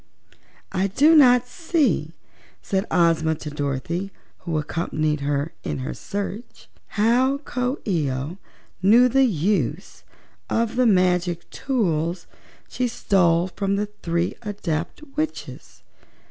"I do not see," said Ozma to Dorothy, who accompanied her in her search, "how Coo ee oh knew the use of the magic tools she stole from the three Adept Witches.